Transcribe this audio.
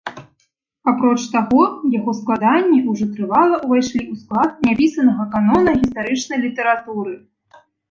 Апроч таго, яго складанні ўжо трывала ўвайшлі ў склад няпісанага канона гістарычнай літаратуры.